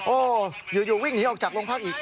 อยู่วิ่งหนีออกจากโรงพักอีก